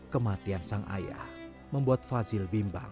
kematian sang ayah membuat fazil bimbang